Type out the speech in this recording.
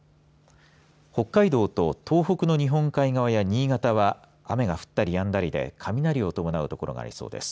北海道と東北の日本海側や新潟は雨が降ったりやんだりで雷を伴う所がありそうです。